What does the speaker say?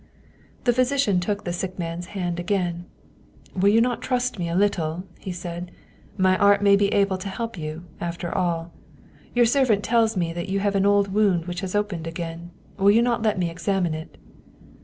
The physician took the sick man's hand again. " Will you not trust me a little ?" he said. " My art may be able to help you, after all. Your servant tells me that you have an old wound which has opened again. Will you not let me examine it?"